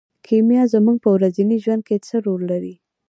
کیمیا زموږ په ورځني ژوند کې څه رول لري.